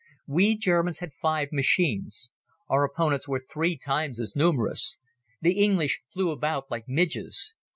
We Germans had five machines. Our opponents were three times as numerous. The English flew about like midges.